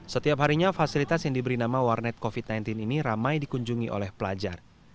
setiap harinya fasilitas yang diberi nama warnet covid sembilan belas ini ramai dikunjungi oleh pelajar